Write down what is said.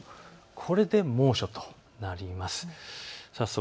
これで猛暑となります。